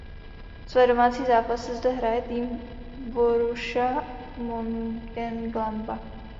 Své domácí zápasy zde hraje tým Borussia Mönchengladbach.